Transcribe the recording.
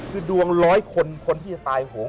คือดวงร้อยคนคนที่จะตายโหง